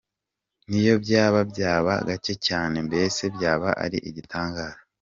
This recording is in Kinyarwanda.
Niyo byaba, byaba gake cyane, mbese byaba ari igitangaza.